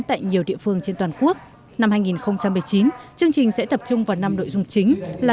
tại nhiều địa phương trên toàn quốc năm hai nghìn một mươi chín chương trình sẽ tập trung vào năm nội dung chính là